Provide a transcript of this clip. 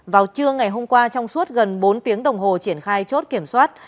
vào trưa ngày hôm qua trong suốt gần bốn tiếng đồng hồ triển khai chốt kiểm soát